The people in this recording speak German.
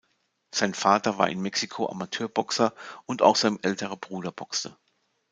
Sein Vater war in Mexiko Amateurboxer und auch sein älterer Bruder boxte.